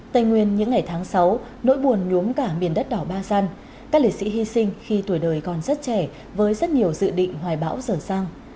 tây nguyên những ngày tháng sáu nỗi buồn nhốm cả miền đất đỏ ba gian các lễ sĩ hy sinh khi tuổi đời còn rất trẻ với rất nhiều dự định hoài bão dở sang